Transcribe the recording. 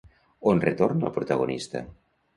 On retorna el protagonista?